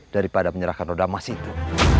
daripada menyerahkan roda emas itu